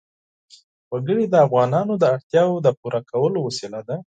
وګړي د افغانانو د اړتیاوو د پوره کولو وسیله ده.